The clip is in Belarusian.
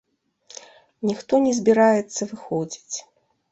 Ніхто не збіраецца выходзіць.